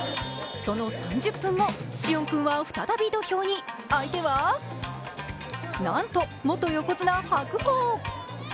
その３０分後、師園君が再び土俵に、その相手は、なんと元横綱・白鵬。